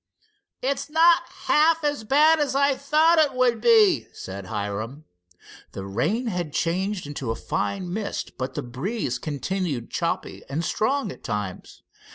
"It's not half as bad as I thought it would be," said Hiram. The rain had changed into a fine mist, but the breeze continued choppy and strong at times.